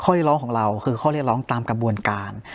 เรียกร้องของเราคือข้อเรียกร้องตามกระบวนการ